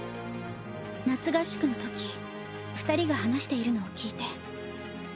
夏合宿のとき二人が話しているのを聞いて。